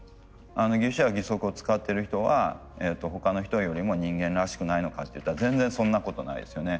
義手や義足を使っている人は他の人よりも人間らしくないのかっていったら全然そんなことないですよね。